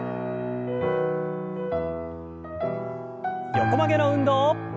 横曲げの運動。